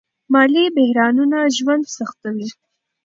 مالي بحرانونه ژوند سختوي.